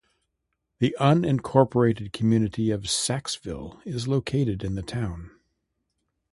The unincorporated community of Saxeville is located in the town.